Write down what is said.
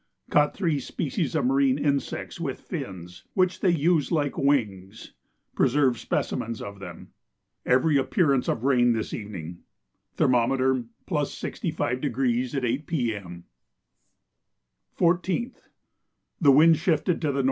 Caught three species of marine insects with fins, which they use like wings: preserved specimens of them. Every appearance of rain this evening. Thermometer +65° at 8 P.M. 14th. The wind shifted to the N.N.